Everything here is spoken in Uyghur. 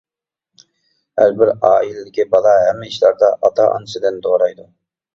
ھەر بىر ئائىلىدىكى بالا ھەممە ئىشلاردا ئاتا-ئانىسىدىن دورايدۇ.